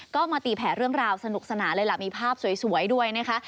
ก็มาตีแผลเรื่องราวสนุกสนานเลยล่ะมีภาพสวยด้วยนะคะ